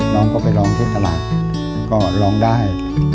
น้องก็ไปร้องที่ตลาดก็ร้องได้